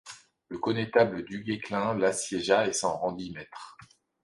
Le connétable du Guesclin l'assiégea et s'en rendit maître.